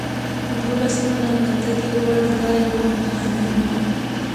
دولس منه بتکۍ غواړي دا یوه بهانه ده.